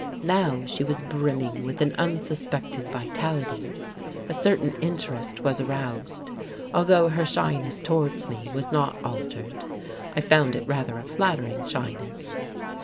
Now she was brimming with an unsuspected vitality. A certain interest was aroused, although her shyness towards me was not altered. I found it rather a flattering shyness.